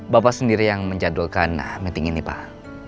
bapak sendiri yang menjadwalkan meeting ini pak